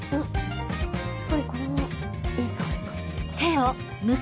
すごいこれもいい香りが。